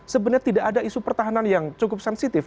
sebenarnya tidak ada isu pertahanan yang cukup sensitif